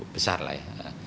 besar lah ya